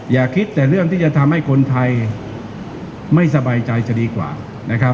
อย่าคิดแต่เรื่องที่จะทำให้คนไทยไม่สบายใจจะดีกว่านะครับ